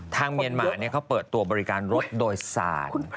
เมียนมาเขาเปิดตัวบริการรถโดยสาร